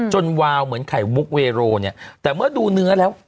วาวเหมือนไข่มุกเวโรเนี่ยแต่เมื่อดูเนื้อแล้ว